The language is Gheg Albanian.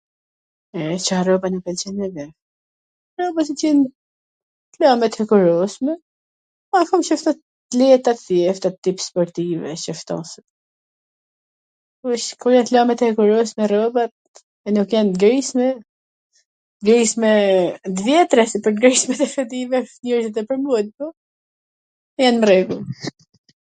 e, Ca rroba na pwlqen neve... rrobat du t jen t lame t hekurosme, kam qef t leta, t thjeshta, tip sportive, qe fto si. Kur i shikoj t lame t hekurosme rrobat, e nuk jan t grisme, t grisme t vjetra, se pwr t grisme ... pwr mue jan n rregull